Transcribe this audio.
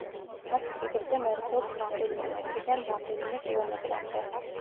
მათი სიგრძე მერყეობს რამდენიმე მეტრიდან რამდენიმე კილომეტრამდე.